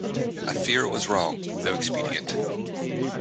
I fear it was wrong, though expedient.